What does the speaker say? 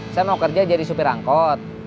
saya mau kerja jadi supir angkot